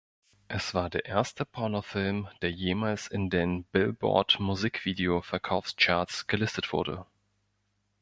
Es war der erste Pornofilm, der jemals in den Billboard-Musikvideo-Verkaufscharts gelistet wurde.